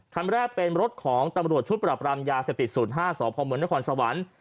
คันแรกเป็นรถของตำรวจชุดปรับรามยาเสพติด๐๕สพมนครสวรรค์